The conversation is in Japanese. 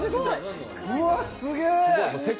うわ、すげー！